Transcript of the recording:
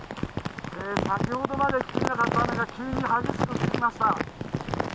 先ほどまで降っていなかった雨が、急に激しく降ってきました。